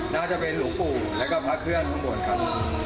น่าจะเป็นหลวงปู่แล้วก็พระเครื่องข้างบนครับ